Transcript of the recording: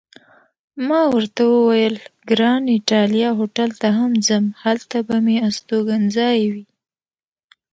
ما ورته وویل: ګران ایټالیا هوټل ته هم ځم، هلته به مې استوګنځی وي.